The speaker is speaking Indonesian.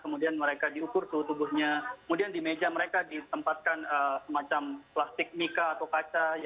kemudian mereka diukur suhu tubuhnya kemudian di meja mereka ditempatkan semacam plastik mica atau kaca